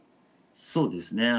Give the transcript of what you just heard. そうですね。